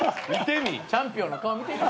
チャンピオンの顔見てみ。